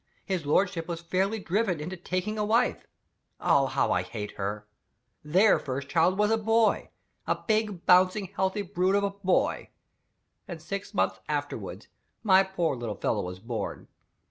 His lordship was fairly driven into taking a wife. Ah, how I hate her! Their first child was a boy a big, bouncing, healthy brute of a boy! And six months afterward, my poor little fellow was born.